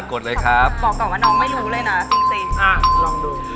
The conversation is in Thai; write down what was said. กดเลยครับบอกก่อนว่าน้องไม่รู้เลยนะจริงจริงอ่ะลองดู